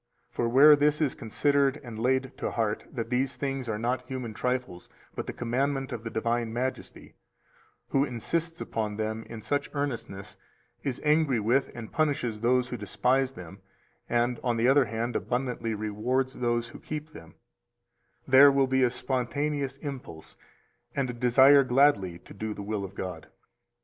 For where this is considered and laid to heart that these things are not human trifles, but the commandments of the Divine Majesty, who insists upon them with such earnestness, is angry with, and punishes those who despise them, and, on the other hand, abundantly rewards those who keep them, there will be a spontaneous impulse and a desire gladly to do the will of God.